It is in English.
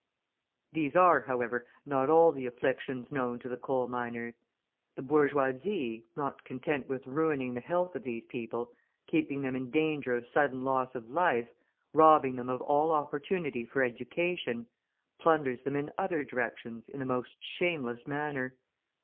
These are, however, not all the afflictions known to the coal miners. The bourgeoisie, not content with ruining the health of these people, keeping them in danger of sudden loss of life, robbing them of all opportunity for education, plunders them in other directions in the most shameless manner.